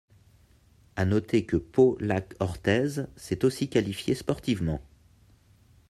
À noter que Pau-Lacq-Orthez s'est aussi qualifié sportivement.